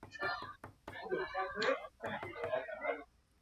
Baliteke zorte pixka bat ematea diru alorrari dagokionez.